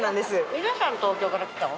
皆さん東京から来たの？